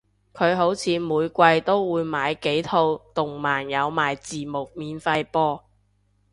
佢好似每季都會買幾套動漫有埋字幕免費播